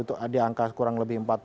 itu di angka kurang lebih empat puluh enam